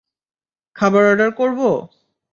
খাবার অর্ডার করবো?